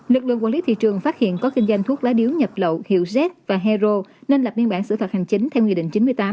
lực lượng quản lý thị trường phát hiện có kinh doanh thuốc lá điếu nhập lậu hiệu z và hero nên lập biên bản xử phạt hành chính theo nghị định chín mươi tám